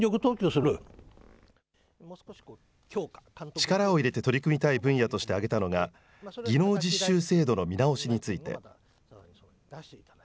力を入れて取り組みたい分野として挙げたのが、技能実習制度の見直しについて。